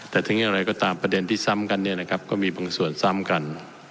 แต่ถึงอย่างไรก็ตามประเด็นที่ซ้ำกันเนี่ยนะครับก็มีบางส่วนซ้ำกัน